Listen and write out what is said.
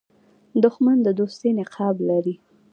دښمن د دوستۍ نقاب لري